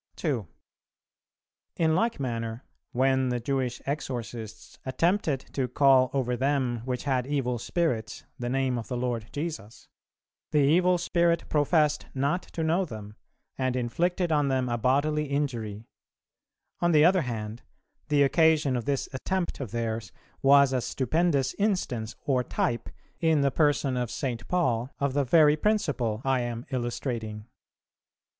2. In like manner when the Jewish exorcists attempted to "call over them which had evil spirits the Name of the Lord Jesus," the evil spirit professed not to know them, and inflicted on them a bodily injury; on the other hand, the occasion of this attempt of theirs was a stupendous instance or type, in the person of St. Paul, of the very principle I am illustrating.